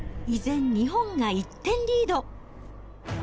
依然、日本が１点リード。